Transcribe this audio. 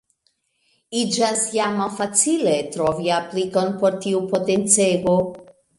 Iĝas ja malfacile trovi aplikon por tiu potencego.